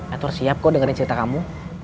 atau siap kok dengerin cerita kamu